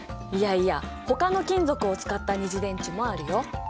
いやいやほかの金属を使った二次電池もあるよ。